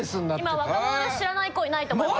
今若者で知らない子いないと思います。